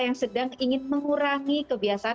yang sedang ingin mengurangi kebiasaan